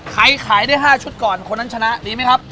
ขายได้๕ชุดก่อนคนนั้นชนะดีไหมครับ